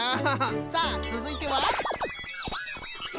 さあつづいては。